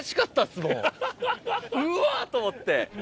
うわ！と思って。